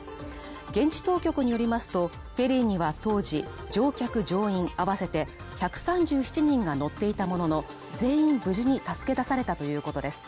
現地当局によりますと、ペリーには当時、乗客乗員あわせて１３７人が乗っていたものの、全員無事に助け出されたということです。